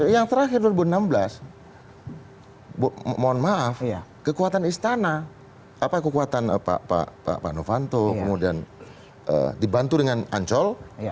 yang terakhir dua ribu enam belas mohon maaf kekuatan istana apa kekuatan pak novanto kemudian dibantu dengan ancol